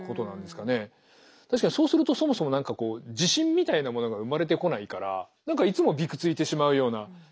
確かにそうするとそもそも何か自信みたいなものが生まれてこないから何かいつもびくついてしまうような。